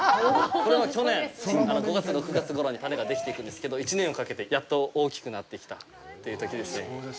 これは去年、５月、６月ごろに花ができていくんですけど、１年をかけてやっと大きくなってきたというときですね。